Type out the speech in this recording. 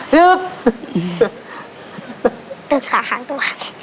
ยึบยึบขาหางตัว